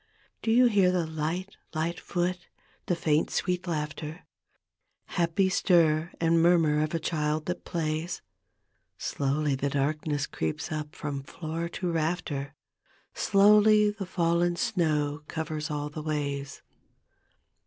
Do you hear the light, li^t foot, the faint sweet laughter Happy stir and murmur of a child that plays: Slowly the darkness creeps ut> from floor to rafter, Slowly the fallen snow covers all the ways.